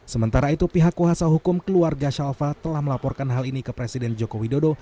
sementara itu pihak kuasa hukum keluarga shalfa telah melaporkan hal ini ke presiden joko widodo